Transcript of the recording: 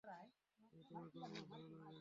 কিন্তু তোমাকেও আমার ভালো লাগে।